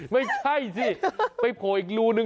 ไม่ใช่สิไปโผล่อีกรูนึง